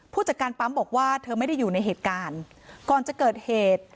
ผู้จัดการปั๊มบอกว่าเธอไม่ได้อยู่ในเหตุการณ์ก่อนจะเกิดเหตุ